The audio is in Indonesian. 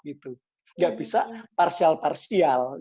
nggak bisa partial partial